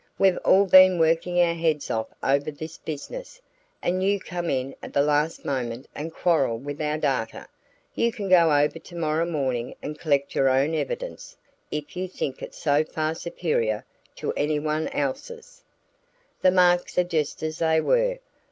We've all been working our heads off over this business, and you come in at the last moment and quarrel with our data. You can go over tomorrow morning and collect your own evidence if you think it's so far superior to anyone else's. The marks are just as they were.